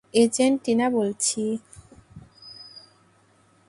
Agent Tina বলছি।